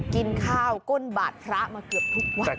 กินข้าวก้นบาทพระมาเกือบทุกวัน